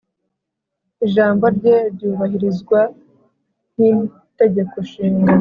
ijambo rye ryubahirizwa nk itegeko nshinga